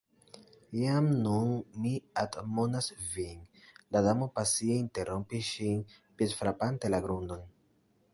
"Jam nun mi admonas vin," la Damo pasie interrompis ŝin, piedfrapante la grundon